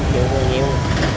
dựng vào nhiều